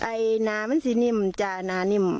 ไอ้หน้ามันสินิ่มจ้าหน้านิ่ม